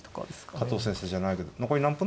加藤先生じゃないけど「残り何分？」